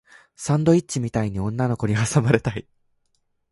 サンドイッチみたいに女の子に挟まれたい